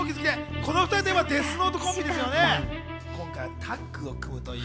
この２人といえば『デスノート』コンビですよね。